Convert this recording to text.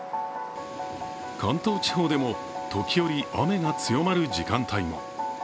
関東地方でも、時折雨が強まる時間帯も。